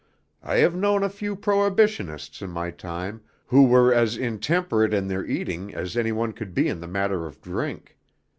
I have known a few prohibitionists in my time who were as intemperate in their eating as any one could be in the matter of drink.